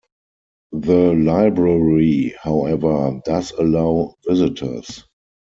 The library, however, does allow visitors.